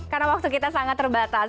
karena waktu kita sangat terbatas